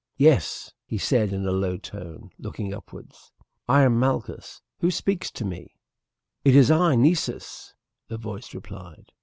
"Yes," he said in a low tone, looking upwards, "I am Malchus. Who speaks to me?" "It is I, Nessus," the voice replied.